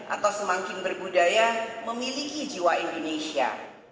atau semakin berbudaya memiliki jiwa indonesia